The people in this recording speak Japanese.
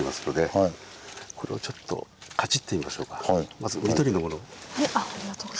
まず緑のものを。